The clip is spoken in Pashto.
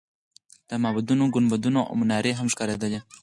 د معبدونو ګنبدونه او منارې هم ښکارېدلې.